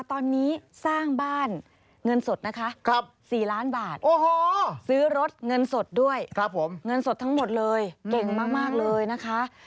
ตอนนี้สร้างบ้านเงินสดนะคะ๔ล้านบาทซื้อรถเงินสดด้วยเงินสดทั้งหมดเลยเก่งมากเลยนะคะ